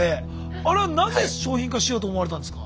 あれはなぜ商品化しようと思われたんですか？